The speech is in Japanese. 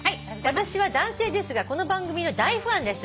「私は男性ですがこの番組の大ファンです」